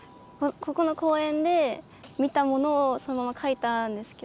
ここの公園で見たものをそのまま書いたんですけど。